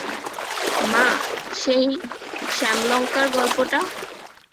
মা, সেই শ্যামলঙ্কার গল্পটা?